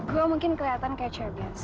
gue mungkin keliatan kayak cewek biasa